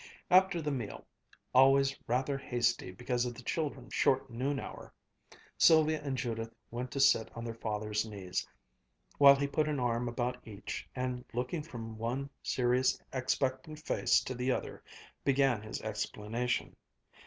After the meal, always rather hasty because of the children's short noon hour, Sylvia and Judith went to sit on their father's knees, while he put an arm about each and, looking from one serious expectant face to the other, began his explanation.